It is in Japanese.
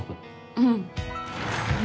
うん。